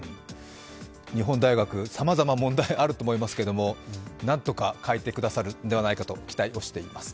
日本大学、さまざま、問題あると思いますけども何とか変えてくださるんではないかと期待をしています。